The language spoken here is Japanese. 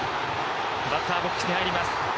バッターボックスに入ります。